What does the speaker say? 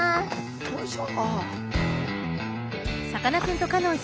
よいしょ。